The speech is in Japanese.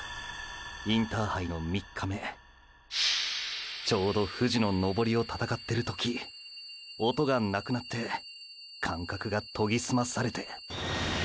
インターハイの３日目ちょうど富士の登りを闘ってる時音がなくなって感覚が研ぎ澄まされて。